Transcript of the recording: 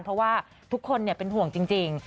เพราะว่าทุกคนเป็นห่วงจริง